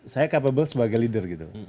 saya capable sebagai leader gitu